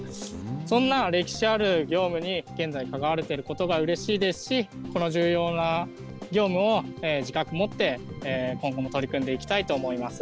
そんな歴史ある業務に現在、関われていることがうれしいですし、この重要な業務を自覚をもって今後も取り組んでいきたいと思います。